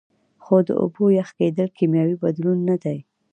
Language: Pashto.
خو د اوبو یخ کیدل کیمیاوي بدلون نه دی